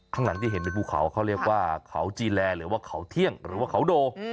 ข้างหลังที่เห็นเป็นภูเขาเขาเรียกว่าเขาจีแลหรือว่าเขาเที่ยงหรือว่าเขาโด